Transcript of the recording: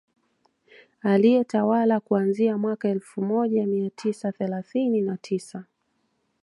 Aliyetawala kuanzia mwaka wa elfu moja mia tisa thelathini na tisa